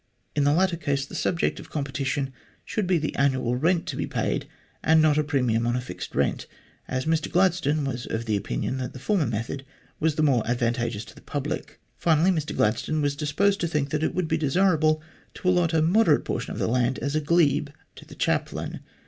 In the latter case, the subject of competition should be the annual rent to be paid, and not a premium on a fixed rent, as Mr Gladstone was of opinion that the former method was the more advantageous to the public. Finally, Mr Gladstone was disposed to think that it would be desirable to allot a moderate portion of land as a glebe to the chap lain.